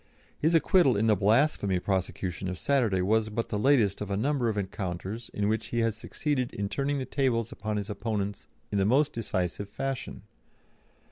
His acquittal in the blasphemy prosecution of Saturday was but the latest of a number of encounters in which he has succeeded in turning the tables upon his opponents in the most decisive fashion.